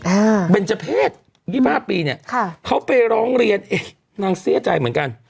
อ่าเบนเจอร์เพศ๒๕ปีเนี่ยค่ะเขาไปร้องเรียนเอ๊ะนางเสียใจเหมือนกัน